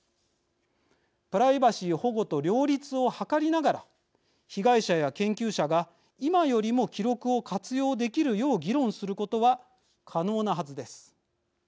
プライバシー保護と両立を図りながら被害者や研究者が今よりも記録を活用できるよう議論することは可能なはずです。